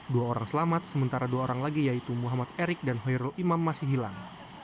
dua orang selamat sementara dua orang lagi yaitu muhammad erik dan hoerul imam masih hilang